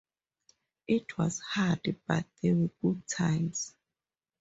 It was hard but they were good times.